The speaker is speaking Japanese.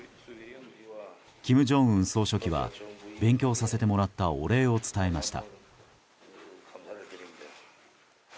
金正恩総書記は勉強させてもらったお礼を伝えました。